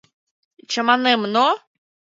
Чаманем, но...